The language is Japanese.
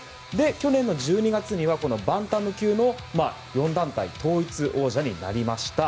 去年の１２月にはバンタム級の４団体統一王者になりました。